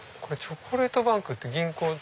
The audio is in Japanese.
チョコレートバンクって銀行。